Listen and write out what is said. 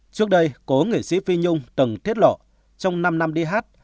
trước đây cố nghệ sĩ phi nhung từng thiết lọ trong năm năm đi hát